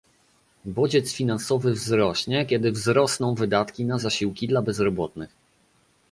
bodziec finansowy wzrośnie, kiedy wzrosną wydatki na zasiłki dla bezrobotnych